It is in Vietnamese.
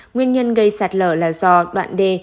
nguyên nhân gây sạt lờ là do đoạn đê